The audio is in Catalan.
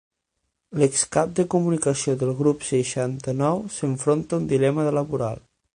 L'excap de comunicació del Grup seixanta-nou s'enfronta a un dilema laboral.